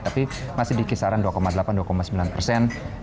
tapi masih di kisaran dua delapan dua sembilan persen